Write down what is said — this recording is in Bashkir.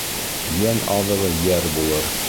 Йән аҙығы йәр булыр.